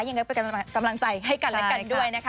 ยังไงเป็นกำลังใจให้กันด้วยนะครับ